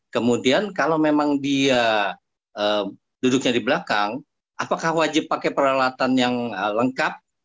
kemudian kalau memang dia duduknya di belakang apakah wajib pakai peralatan yang lengkap